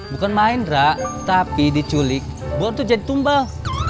bukan main rak tapi diculik buat itu jadi tumbal